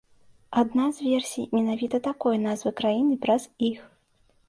Адна з версій менавіта такой назвы краіны праз іх.